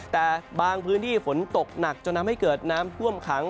แต่บางพื้นที่ฝนตกหนักจนทำให้เกิดน้ำท่วมขัง